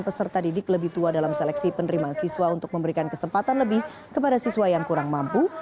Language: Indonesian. peserta didik lebih tua dalam seleksi penerimaan siswa untuk memberikan kesempatan lebih kepada siswa yang kurang mampu